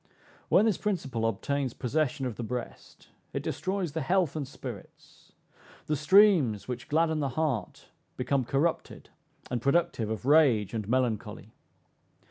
When this principle obtains possession of the breast, it destroys the health and spirits: the streams which gladden the heart become corrupted, and productive of rage and melancholy.